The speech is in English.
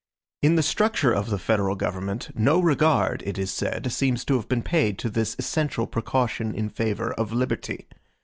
In the structure of the federal government, no regard, it is said, seems to have been paid to this essential precaution in favor of liberty.